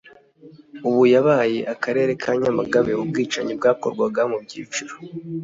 ubu yabaye Akarere ka Nyamagabe ubwicanyi bwakorwaga mu byiciro